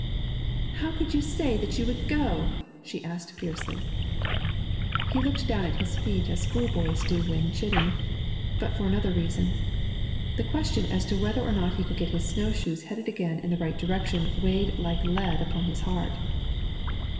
'How could you say that you would go?' she asked fiercely. He looked down at his feet as schoolboys do when chidden, but for another reason. The question as to whether or not he could get his snow shoes headed again in the right direction weighed like lead upon his heart.